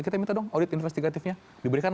kita minta dong audit investigatifnya diberikan